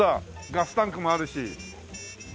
ガスタンクもあるし。